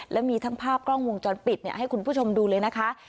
และมีทั้งภาพกล้องวงจรปิดให้คุณผู้ชมดูเลยนะคะ